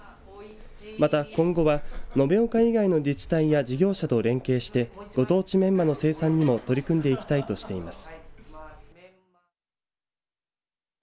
また、今後は延岡以外の自治体や事業者と連携してご当地メンマの生産にも取り組んでいきたいとしています。